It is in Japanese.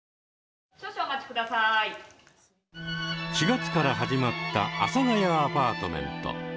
４月から始まった「阿佐ヶ谷アパートメント」。